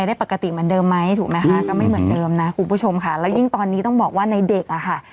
แล้วยิ่งตอนนี้ต้องบอกว่าในเด็กอะค่ะ